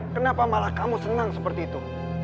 kenapa malah kamu senang seperti itu